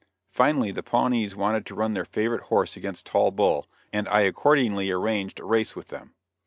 Finally the Pawnees wanted to run their favorite horse against Tall Bull, and I accordingly arranged a race with them.